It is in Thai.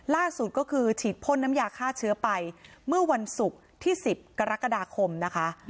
ล่าสุดก็คือฉีดพ่นน้ำยาฆ่าเชื้อไปเมื่อวันศุกร์ที่๑๐กรกฎาคมนะคะ